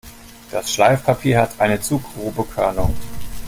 Das Schleifpapier hat eine zu grobe Körnung.